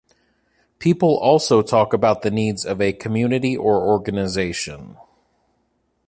People also talk about the needs of a community or organization.